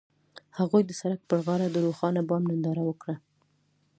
هغوی د سړک پر غاړه د روښانه بام ننداره وکړه.